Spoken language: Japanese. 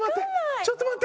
ちょっと待って！